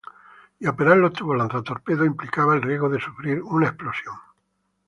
Y operar los tubos lanzatorpedos implicaba el riesgo de sufrir una explosión.